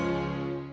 operasi kiwa mencess